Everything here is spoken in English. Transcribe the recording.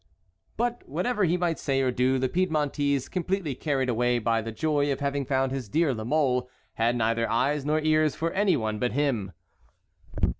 But whatever he might say or do, the Piedmontese, completely carried away by the joy of having found his dear La Mole, had neither eyes nor ears for any one but him.